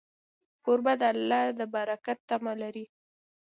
کوربه د الله د برکت تمه لري.